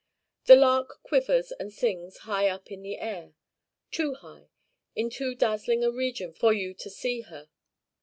The lark quivers and sings high up in the air; too high in too dazzling a region for you to see her.